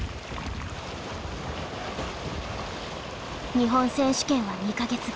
日本選手権は２か月後。